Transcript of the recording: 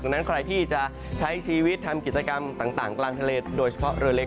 นั้นใครที่จะใช้ชีวิตทำกิจกรรมต่างกลางทะเลโดยเฉพาะเรือเล็ก